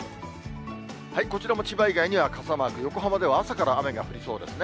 こちらも千葉以外には傘マーク、横浜では朝から雨が降りそうですね。